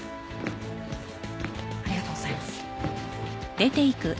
ありがとうございます。